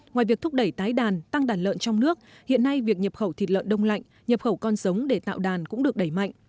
ngoài việc thúc đẩy tái đàn tăng đàn lợn trong nước hiện nay việc nhập khẩu thịt lợn đông lạnh nhập khẩu con sống để tạo đàn cũng được đẩy mạnh